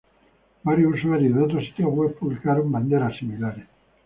Varios usuarios de otros sitios web publicaron banderas similares.